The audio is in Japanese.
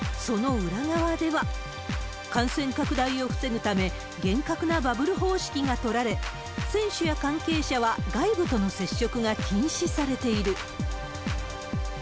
その裏側では、感染拡大を防ぐため、厳格なバブル方式が取られ、選手や関係者は外部との接触が禁止されている。